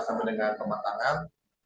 sama dengan pematangan